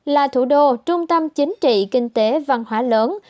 là thủ đô trung tâm chính trị kinh tế văn hóa lớn